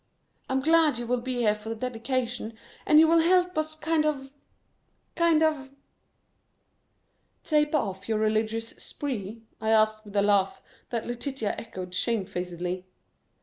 I'm glad you will be here for the dedication, and you will help us kind of kind of " "Taper off from your religious spree?" I asked with a laugh that Letitia echoed shamefacedly.